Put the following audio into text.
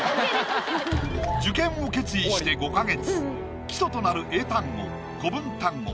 受験を決意して５か月基礎となる英単語